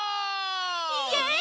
イエイ！